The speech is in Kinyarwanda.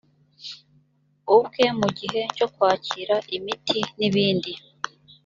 ubwe mu gihe cyo kwakira imiti n ibindi